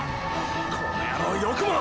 この野郎よくも！